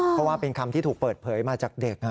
เพราะว่าเป็นคำที่ถูกเปิดเผยมาจากเด็ก